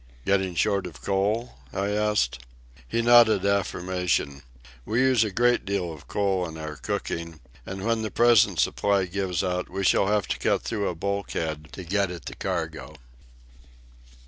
"Getting short of coal?" I asked. He nodded affirmation. We use a great deal of coal in our cooking, and when the present supply gives out we shall have to cut through a bulkhead to get at the cargo.